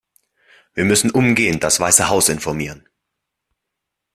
Wir müssen umgehend das Weiße Haus informieren.